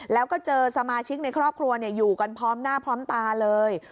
แล้วก็เจอสมาชิกในครอบครัวอยู่กันพร้อมหน้าพร้อมตาเลย